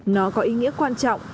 nó có ý nghĩa quan trọng